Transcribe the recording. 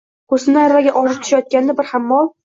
Kursini aravaga ortishayotganda, bir hammol